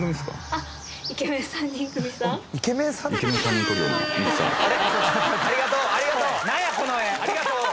ありがとう。